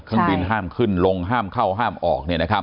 เครื่องบินห้ามขึ้นลงห้ามเข้าห้ามออก